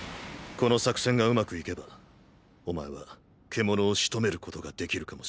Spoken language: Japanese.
この作戦が上手くいけばお前は獣を仕留めることができるかもしれない。